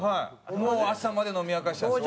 もう朝まで飲み明かしたんです。